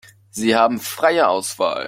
Sie haben freie Auswahl.